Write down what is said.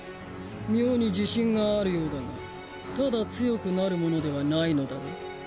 妙に自信があるようだがただ強くなる物ではないのだろう？